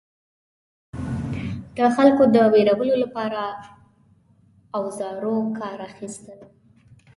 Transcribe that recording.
د خلکو د ویرولو لپاره اوزارو کار اخیستل.